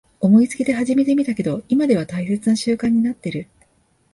思いつきで始めてみたけど今では大切な習慣になってる